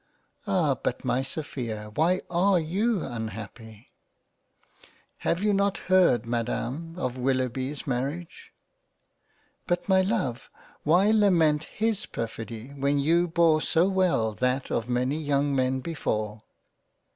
" Ah ! but my Sophia why are you unhappy ?"" Have you not heard Madam of Willoughby's Mar riage ?"" But my love why lament his perfidy, when you bore so well that of many young Men before